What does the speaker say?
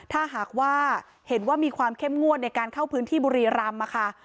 ถ้าหากว่าเห็นว่ามีความเข้มงวดในการเข้าพื้นที่บุรีรำนะคะ